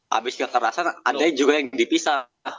habis kekerasan ada juga yang dipisah